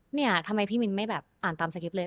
เนี่ยทำไมพี่มินไม่แบบอ่านตามสคริปต์เลย